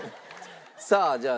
さあじゃあ。